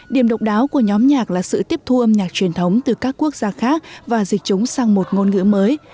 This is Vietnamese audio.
điểm độc đáo của nhóm nhạc là sự tiếp thu âm nhạc truyền thống từ các quốc gia khác và dịch chúng sang một ngôn ngữ mới